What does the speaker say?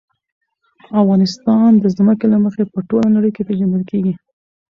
افغانستان د ځمکه له مخې په ټوله نړۍ کې پېژندل کېږي.